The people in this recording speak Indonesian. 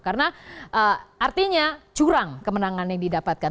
karena artinya curang kemenangan yang didapatkan